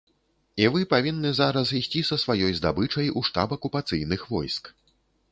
І вы павінны зараз ісці са сваёй здабычай у штаб акупацыйных войск.